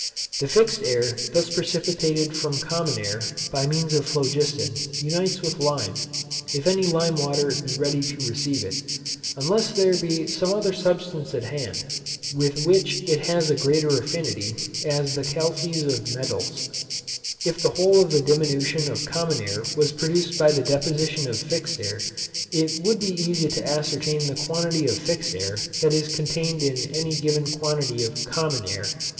The fixed air thus precipitated from common air by means of phlogiston unites with lime, if any lime water be ready to receive it, unless there be some other substance at hand, with which it has a greater affinity, as the calces of metals. If the whole of the diminution of common air was produced by the deposition of fixed air, it would be easy to ascertain the quantity of fixed air that is contained in any given quantity of common air.